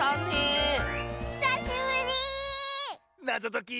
なぞとき。